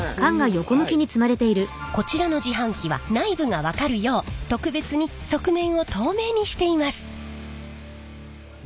こちらの自販機は内部が分かるよう特別に側面を透明にしています。